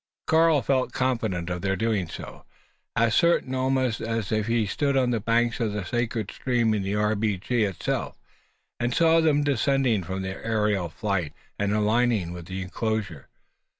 Karl felt confident of their doing so, as certain almost as if he had stood on the banks of the sacred stream in the R.B.G. itself, and saw them descending from their aerial flight and alighting within the enclosure.